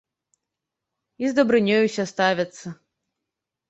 І з дабрынёй усе ставяцца.